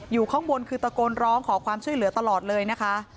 อยู่ข้างบนคือตะโกนร้องขอความช่วยเหลือตลอดเลยนะคะ